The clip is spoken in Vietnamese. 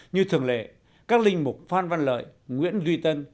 như thường lệ các linh mục phan văn lợi nguyễn duy tân